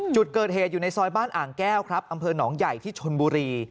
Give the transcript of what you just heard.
จุดเกิดเหตุอยู่ในซอยบ้านอ่างแก้วครับอำเภอหนองใหญ่ที่ชนบุรี